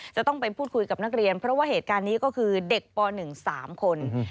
จะต้องไปพูดคุยกับนักเรียนเพราะว่าเหตุการณ์นี้ก็คือเด็กป๑๓คน